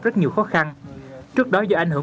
rất nhiều khó khăn trước đó do ảnh hưởng